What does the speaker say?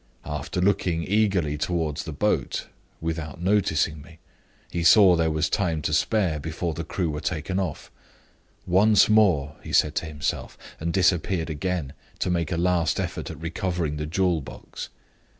After looking eagerly toward the boat (without noticing me), he saw there was time to spare before the crew were taken. 'Once more!' he said to himself and disappeared again, to make a last effort at recovering the jewel box.